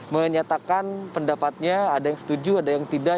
menyatakan pendapatnya ada yang setuju ada yang tidak